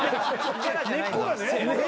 根っこがね。